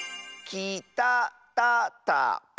きたたたか？